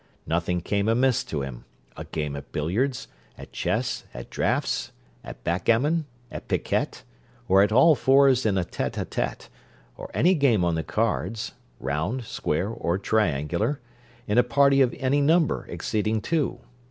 Nothing came amiss to him, a game at billiards, at chess, at draughts, at backgammon, at piquet, or at all fours in a tête à tête, or any game on the cards, round, square, or triangular, in a party of any number exceeding two.